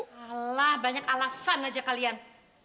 alah banyak alasan aja kalian